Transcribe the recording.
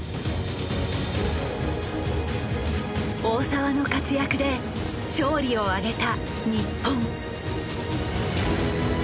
大澤の活躍で勝利を挙げた日本。